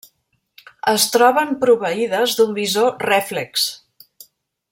Es troben proveïdes d'un visor rèflex.